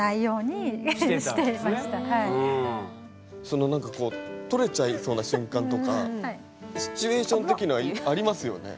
その何かこう取れちゃいそうな瞬間とかシチュエーション的にはありますよね？